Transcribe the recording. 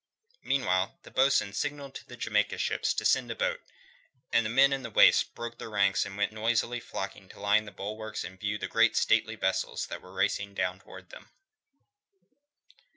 Meanwhile the bo'sun signalled to the Jamaica ships to send a boat, and the men in the waist broke their ranks and went noisily flocking to line the bulwarks and view the great stately vessels that were racing down towards them.